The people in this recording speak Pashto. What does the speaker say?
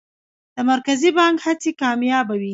د مرکزي بانک هڅې کامیابه وې؟